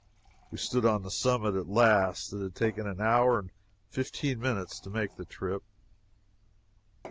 We stood on the summit at last it had taken an hour and fifteen minutes to make the trip.